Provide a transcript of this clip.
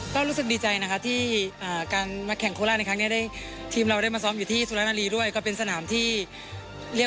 จุดสูงสุดของชีวิตจุดสูงสุดของชีวิต